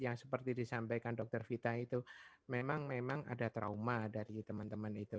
yang seperti disampaikan dokter vita itu memang memang ada trauma dari teman teman itu